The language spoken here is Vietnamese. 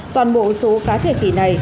toàn bộ số cá thể khỉ này